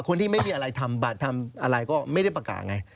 ไม่มีอะไรทำบัตรทำอะไรก็ไม่ได้ประกาศไง